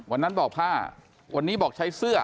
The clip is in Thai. วันนั้นบอกผ้าวันนี้บอกใช้เสื้อ